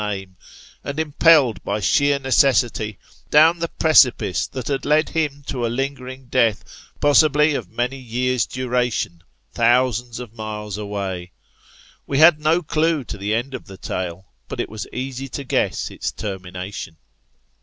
name, and impelled by sheer necessity, down the precipice that had led him to a lingering death, possibly of many years' duration, thousands of miles away. We had no clue to the end of the tale ; but it was easy to guess its termination.